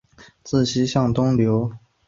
自西向东流经了斯洛伐克的大部分国土。